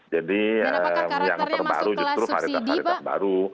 jadi yang terbaru justru varitas varitas baru